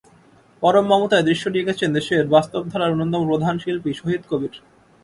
পরম মমতায় দৃশ্যটি এঁকেছেন দেশের বাস্তবধারার অন্যতম প্রধান শিল্পী শহিদ কবির।